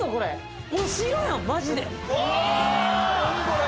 何これ。